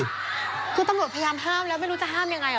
คือตำรวจพยายามห้ามแล้วไม่รู้จะห้ามยังไง